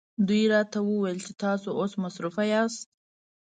دوی راته وویل چې تاسو اوس مصروفه یاست.